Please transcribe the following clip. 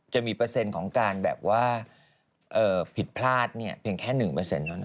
จะมีเปอร์เซ็นต์ของการแบบว่าผิดพลาดเพียงแค่๑เท่านั้น